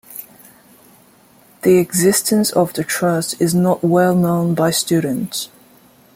The existence of the Trust is not well known by students.